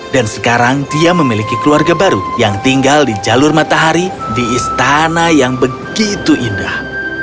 dan sekarang dia memiliki keluarga baru yang tinggal di jalur matahari di istana yang begitu indah